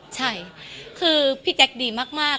ใช่คือพี่แจ๊คดีมาก